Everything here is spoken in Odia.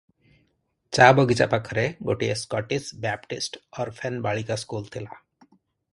ଚା ବଗିଚା ପାଖରେ ଗୋଟିଏ ସ୍କଟିଶ୍ ବ୍ୟାପଟିଷ୍ଟ ଅର୍ଫେନ ବାଳିକା ସ୍କୁଲ ଥିଲା ।